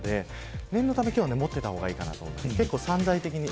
念のため今日は持っていた方がいいと思います。